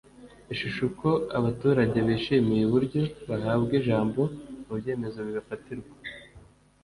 ishusho uko abaturage bishimiye uburyo bahabwa ijambo mu byemezo bibafatirwa